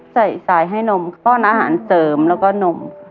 ใส่สายให้นมป้อนอาหารเสริมแล้วก็นม